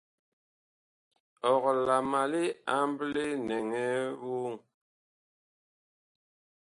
Ɔg la ma li amble nɛŋɛɛ voŋ ?